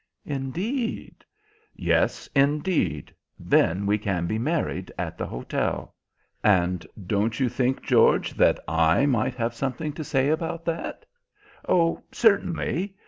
"Indeed?" "Yes, indeed. Then we can be married at the hotel." "And don't you think, George, that I might have something to say about that?" "Oh, certainly!